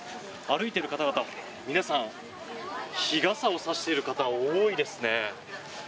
歩いている方々、皆さん日傘を差している方多いですね。